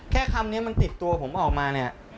แค่คำนี้มันติดตัวผมออกมา